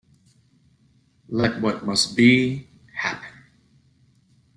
Let what must be, happen.